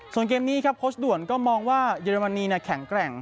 ส่วนเกมนี้ครับโค้ชด่วนก็มองว่าเยอรมนีแข็งแกร่ง